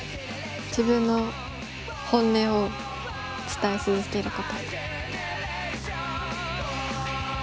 自分の本音を伝え続けること。